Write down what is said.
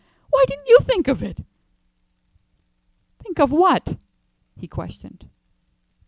Why didn't you think of it?" "Think of what?" he questioned.